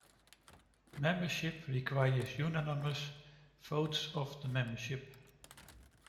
Membership requires unanimous votes of the membership.